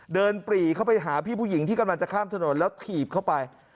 ปรีเข้าไปหาพี่ผู้หญิงที่กำลังจะข้ามถนนแล้วถีบเข้าไป